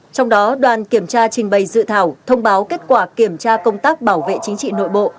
trong đó đoàn kiểm tra trình bày dự thảo thông báo kết quả kiểm tra công tác bảo vệ chính trị nội bộ